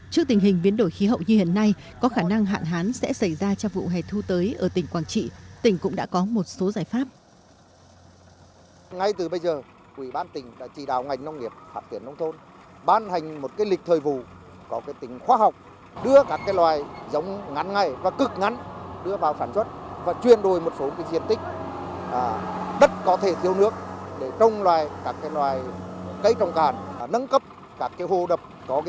trước tình hình biến đổi khí hậu như hiện nay có khả năng hạn hán sẽ xảy ra cho vụ hay thu tới ở tỉnh quảng trị tỉnh cũng đã có một số giải pháp